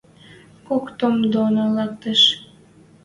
КОК ТОМ ДОНО ЛӒКТЕШ